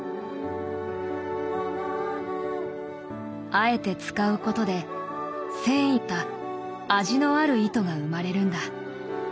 あえて使うことで繊維が絡み合った味のある糸が生まれるんだ。